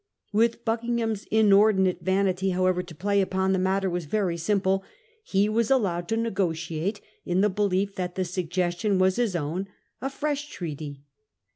With Buckingham's inordinate vanity however to play UDon, the matter was 1671. 1 87 ThASham Treaty . very simple. He was allowed to negotiate — in the belief that the suggestion was his own — a fresh treaty.